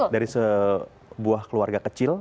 dari sebuah keluarga kecil